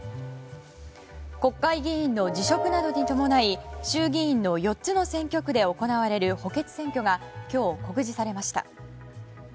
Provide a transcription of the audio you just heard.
国会議員の辞職などに伴い衆議院の４つの選挙区で行われる補欠選挙が今日、告示されました。